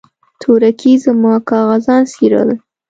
تورکي زما کاغذان څيرل.